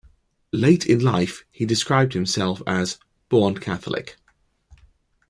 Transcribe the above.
Late in life, he described himself as "born Catholic".